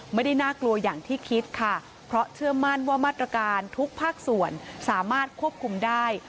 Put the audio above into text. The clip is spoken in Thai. ไม่ได้น่ากลัวอย่างที่คิดค่ะเพราะเชื่อมั่นว่ามาตรการทุกภาคส่วนสามารถควบคุมได้